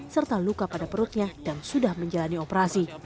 serta luka pada perutnya dan sudah menjalani operasi